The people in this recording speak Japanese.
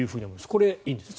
これ、いいんですか。